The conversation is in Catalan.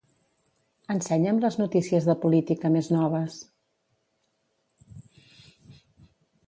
Ensenya'm les notícies de política més noves.